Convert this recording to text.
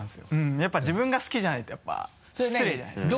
やっぱ自分が好きじゃないと失礼じゃないですか。